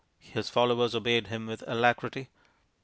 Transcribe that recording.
His followers obeyed him with alacrity.